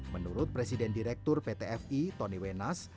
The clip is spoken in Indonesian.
menurut presiden direktur ptfi tony wenas